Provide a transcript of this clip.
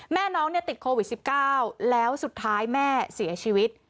แม่น้องติดโควิด๑๙แล้วสุดท้ายแม่เสียชีวิต